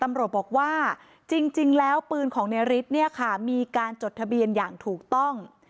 ตำรวจบอกว่าจริงแล้วปืนของในฤทธิ์เนี่ยค่ะมีการจดทะเบียนอย่างถูกต้อง